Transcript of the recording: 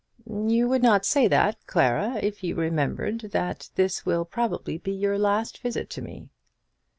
"You would not say that, Clara, if you remembered that this will probably be your last visit to me."